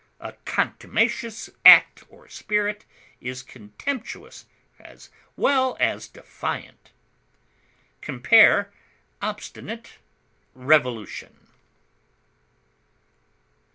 A contumacious act or spirit is contemptuous as well as defiant. Compare OBSTINATE; REVOLUTION.